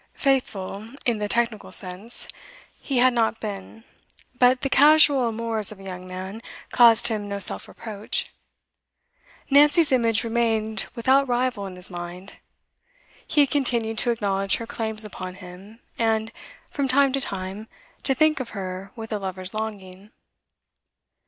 Faithful in the technical sense he had not been, but the casual amours of a young man caused him no self reproach; Nancy's image remained without rival in his mind; he had continued to acknowledge her claims upon him, and, from time to time, to think of her with a lover's longing.